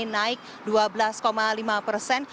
naik dua belas lima persen